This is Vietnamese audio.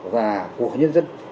và của nhân dân